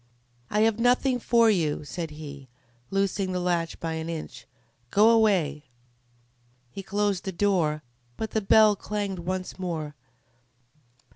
"I have nothing for you," said he, loosing the latch by an inch. "Go away!" He closed the door, but the bell clanged once more.